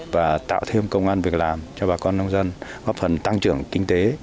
và tạo thêm công an việc làm cho bà con nông dân góp phần tăng trưởng kinh tế